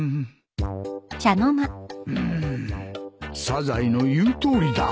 サザエの言うとおりだ